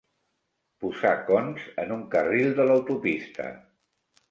Posar cons en un carril de l'autopista.